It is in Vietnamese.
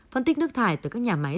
phân tích nước thải từ các nhà máy